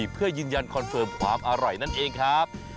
เพื่อยืนยันคอนเฟิร์มความอร่อยนั่นเองครับ